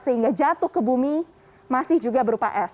sehingga jatuh ke bumi masih juga berupa es